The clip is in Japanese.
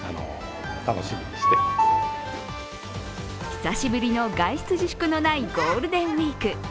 久しぶりの外出自粛のないゴールデンウイーク。